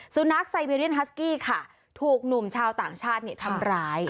สุนัขไซเวเรียนฮัสกี้ค่ะถูกหนุ่มชาวต่างชาติทำร้าย